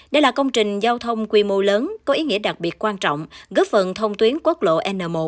đây là công trình giao thông quy mô lớn có ý nghĩa đặc biệt quan trọng góp phần thông tuyến quốc lộ n một